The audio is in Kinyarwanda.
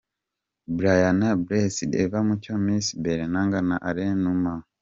Briana Blessed, Ev Mucyo, Miss Bellange na Alain Numa.